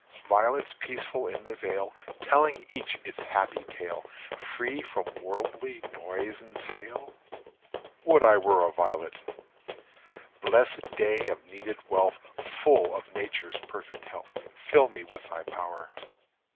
Violets peaceful in the vale, Telling each its happy tale, Free from worldly noise and sale. Would I were a violet! Blessed day of needed wealth, Full of Nature's perfect health, Fill me with thy power.